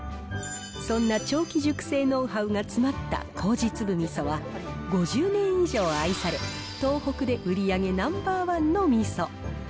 そんな長期熟成ノウハウが詰まった糀つぶみそは、５０年以上愛され、東北で売り上げナンバーワンのみそ。